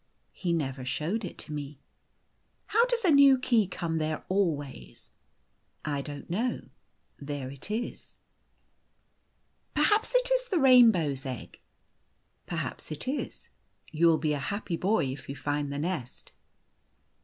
" He never showed it to me." " How does a new key come there always ?"" I don't know. There it is." " Perhaps it is the rainbow's egg." " Perhaps it is. You will be a happy boy if you find the nest."